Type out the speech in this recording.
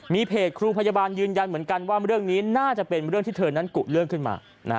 มีเพจครูพยาบาลยืนยันเหมือนกันว่าเรื่องนี้น่าจะเป็นเรื่องที่เธอนั้นกุเรื่องขึ้นมา